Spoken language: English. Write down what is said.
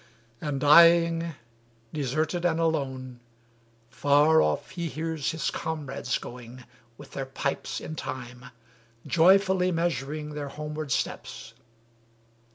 And dying, Deserted and alone, far off he hears His comrades going, with their pipes in time, Joyfully measuring their homeward steps.